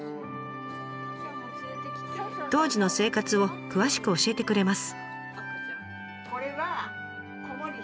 当時の生活を詳しく教えてくれます。